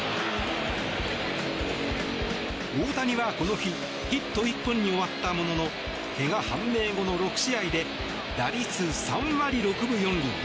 大谷は、この日ヒット１本に終わったもののけが判明後の６試合で打率３割６分４厘。